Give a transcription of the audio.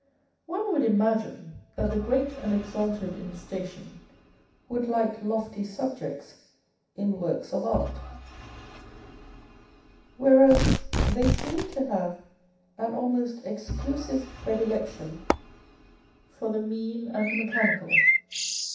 One would imagine that the great and exalted in station would like lofty subjects in works of art, whereas they seem to have an almost exclusive predilection for the mean and me chanical.